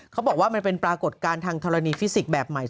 เขาบอกว่ามันเป็นปรากฏการณ์ทางธรณีฟิสิกส์แบบใหม่